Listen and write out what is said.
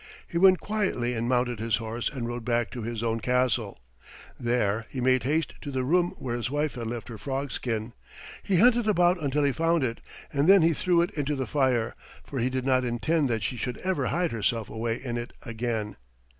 He went quietly and mounted his horse and rode back to his own castle. There he made haste to the room where his wife had left her frog skin. He hunted about until he found it, and then he threw it into the fire, for he did not intend that she should ever hide herself away in it again.